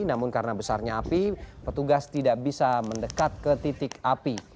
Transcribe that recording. namun karena besarnya api petugas tidak bisa mendekat ke titik api